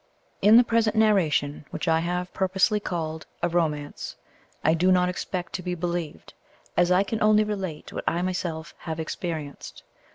In the present narration, which I have purposely called a "romance," I do not expect to be believed, as I can only relate what I myself have experienced.